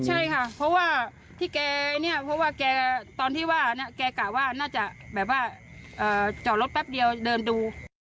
ใช่ค่ะเพราะว่าที่แกเนี่ยเพราะว่าแกตอนที่ว่าเนี่ยแกกะว่าน่าจะแบบว่าจอดรถแป๊บเดียวเดินดู